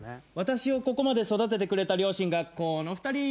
私をここまで育ててくれた両親がこの２人！